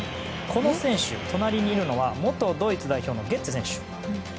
この選手、隣にいるのは元ドイツ選手のゲッツェ選手。